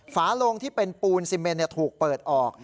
ฝาโลงที่เป็นปูนซีเมนถูกเปิดออก